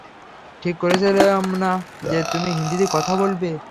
ঠিক করেছিলাম না যে, তুমি হিন্দিতে কথা বলবে।